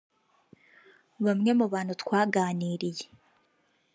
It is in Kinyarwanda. Bamwe mu bantu twaganiriye